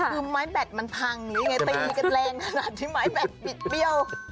หรือไม้แบดมันพังตีกันแรงขนาดที่มีไม้แบดผิดเปรี้ยว